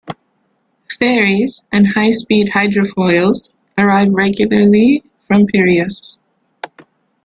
Ferries and high-speed hydrofoils arrive regularly from Piraeus.